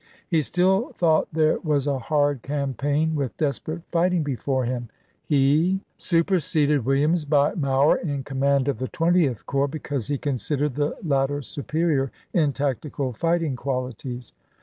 He still thought there was a hard campaign with desperate fighting before him; he GENERAL J. A. MOWER. JOHNSTON'S SURRENDER 241 superseded Williams by Mower in command of chap, xii, the Twentieth Corps, because he considered the latter superior in tactical fighting qualities.